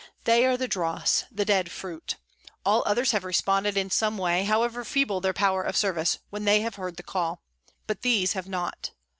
They are the dross, the dead fruit. All others have responded in some way, however feeble their power of service, when they have heard the call ; but these have not.